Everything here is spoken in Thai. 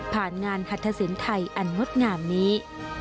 งานหัตถสินไทยอันงดงามนี้